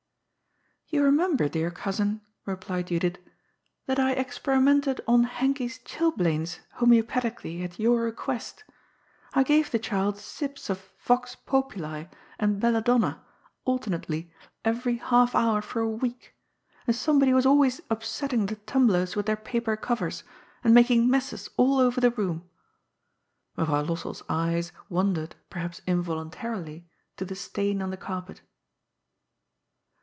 " You remember, dear cousin,'' replied Judith, " that I experimented on Henkie's chilblains homoeopathically at your request I gave the child sips of vox populi and bella donna alternately every half hour for a week, and somebody was always upsetting the tumblers with their paper covers, and making messes all over the room.'' Mevrouw Lossell's eyes wandered, perhaps involuntarily, to the stain on the carpet.